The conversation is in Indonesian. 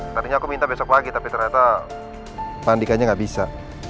tadinya aku minta besok pagi tapi ternyata pak andikanya gak bisa